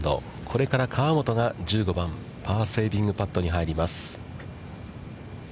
これから河本が１５番、パーセービングパットに入ります。